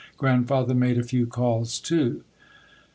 Grandfather made a few calls, too.